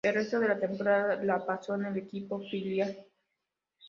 El resto de la temporada la pasó en el equipo filial.